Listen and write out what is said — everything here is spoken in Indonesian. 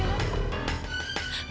kenapa sih kak fadil rega membohong kamila